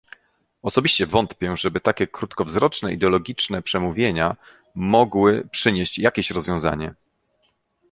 Osobiście wątpię, żeby takie krótkowzroczne, ideologiczne przemówienia mogły przynieść jakieś rozwiązanie